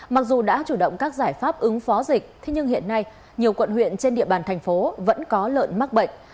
mặc dù đã chủ động các giải pháp ứng phó dịch nhưng hiện nay nhiều quận huyện trên địa bàn thành phố vẫn có lợn mắc bệnh